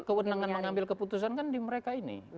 kewenangan mengambil keputusan kan di mereka ini